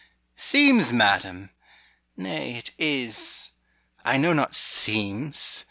Seems, madam! nay, it is; I know not seems.